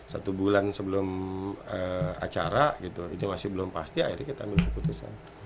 satu bulan sebelum acara itu masih belum pasti akhirnya kita ambil keputusan